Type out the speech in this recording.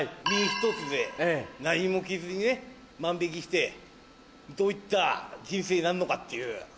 身ひとつで何も着ずにね万引きしてどういった人生になんのかっていう。